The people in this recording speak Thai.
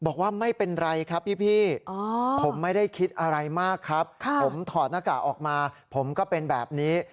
บอกว่าไม่เป็นไรครับพี่ผมไม่ได้คิดอะไรมากครับผมถอดหน้ากากออกมาผมก็เป็นแบบนี้